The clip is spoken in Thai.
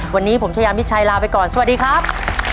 วันนี้ผมชายามิชัยลาไปก่อนสวัสดีครับ